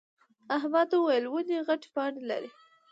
احمد وويل: ونې غتې پاڼې لري.